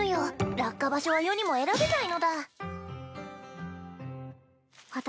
落下場所は余にも選べないのだ私